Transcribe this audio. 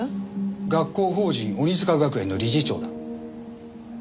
学校法人鬼束学園の理事長だ。